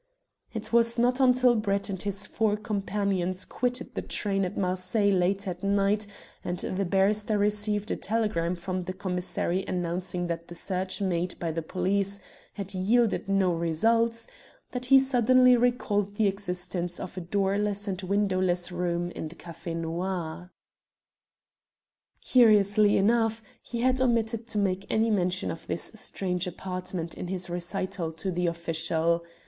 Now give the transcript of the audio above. It was not until Brett and his four companions quitted the train at Marseilles late at night and the barrister received a telegram from the commissary announcing that the search made by the police had yielded no results, that he suddenly recalled the existence of a doorless and windowless room in the Café Noir. Curiously enough, he had omitted to make any mention of this strange apartment in his recital to the official.